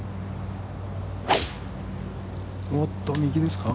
おっと、右ですか。